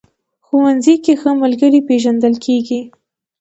ښوونځی کې ښه ملګري پېژندل کېږي